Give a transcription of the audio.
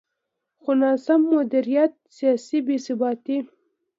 خو ناسم مدیریت، سیاسي بې ثباتي.